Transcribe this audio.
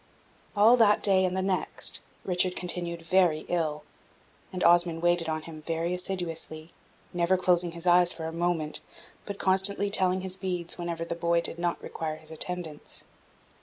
All that day and the next, Richard continued very ill, and Osmond waited on him very assiduously, never closing his eyes for a moment, but constantly telling his beads whenever the boy did not require his attendance.